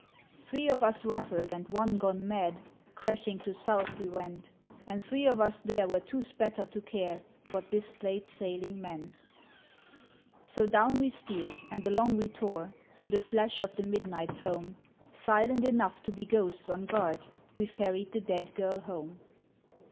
Three of us rufBed and one gone mad. Crashing to south we went ; And three of us there were too spattered to care What this late sailing meant. So down we steered and along we tore Through the flash of the midnight foam : io6 RETURN OF MORGAN AND FINGAL Silent enough to be ghosts on guard, We ferried the dead girl home.